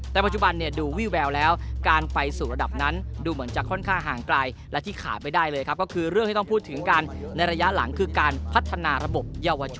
แต่ปัจจุบันดูวิวแบวด์แล้ว